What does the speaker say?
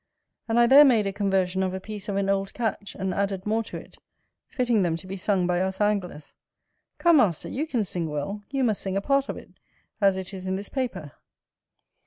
And I there made a conversion of a piece of an old catch, and added more to it, fitting them to be sung by us anglers. Come, Master, you can sing well: you must sing a part of it, as it is in this paper.